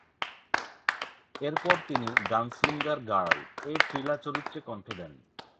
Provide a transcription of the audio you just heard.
এরপর তিনি "গানস্লিংগার গার্ল"-এ ট্রিলা চরিত্রে কণ্ঠ দেন।